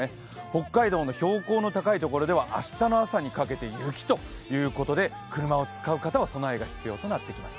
北海道の標高の高いところでは明日の朝にかけて雪ということで車を使う方は備えが必要となってきます。